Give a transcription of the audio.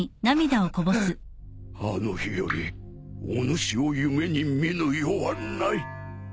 あの日よりおぬしを夢に見ぬ夜はない。